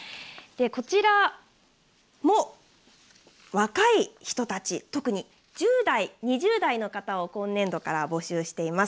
こちらも若い人たち特に１０代、２０代の方を今年度から募集しています。